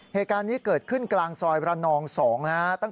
เหตุการณ์นี้เกิดขึ้นกลางซอยระนอง๒นะครับ